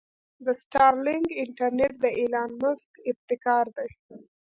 د سټارلنک انټرنټ د ايلان مسک ابتکار دې.